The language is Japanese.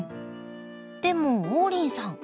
でも王林さん